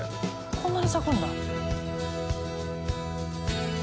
こんなに咲くんだ。